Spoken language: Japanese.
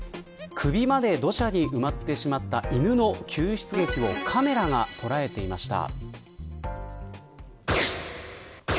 首まで土砂に埋まってしまった犬の救出劇をカメラが捉えていました。